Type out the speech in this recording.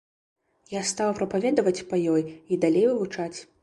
Я стаў прапаведаваць па ёй і далей вывучаць.